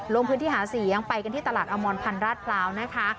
ลงพื้นที่หาเสียงไปกันที่ตลาดอมรพันธ์ราชพร้าวนะคะ